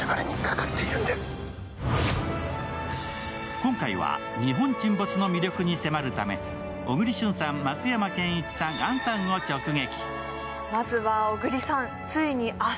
今回は「日本沈没」の魅力に迫るため、小栗旬さん、松山ケンイチさん、杏さんを直撃。